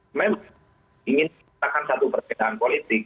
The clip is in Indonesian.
memang ingin menciptakan satu perbedaan politik